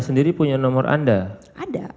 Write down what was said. sendiri punya nomor anda ada